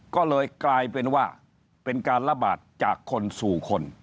ก็เลยกลายเป็นว่าเป็นการระบาดจากคนสู่คน